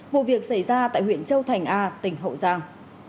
vụ việc xảy ra tại huyện châu thành a tỉnh hậu giang